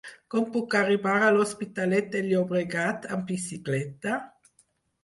Com puc arribar a l'Hospitalet de Llobregat amb bicicleta?